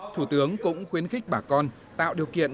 thủ tướng cũng khuyến khích bà con tạo điều kiện